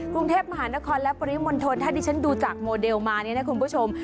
กรุงเทพมหานครและปริมณฑลถ้าดิฉันดูจากโมเดลมาเนี่ยนะคุณผู้ชม